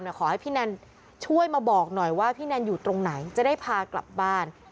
ขอให้พี่แนนช่วยมาบอกหน่อยว่าพี่แนนอยู่ตรงไหนจะได้พากลับบ้าน